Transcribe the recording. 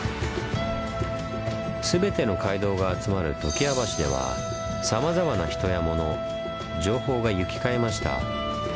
全ての街道が集まる常盤橋ではさまざまな人や物情報が行き交いました。